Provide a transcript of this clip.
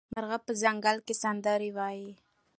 مرغه په ځنګل کې سندرې وايي.